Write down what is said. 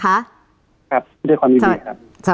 ครับด้วยความยินดีครับ